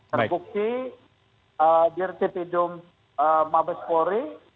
terbukti dir cipidum mabespori